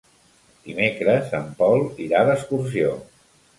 Dimecres en Pol irà d'excursió.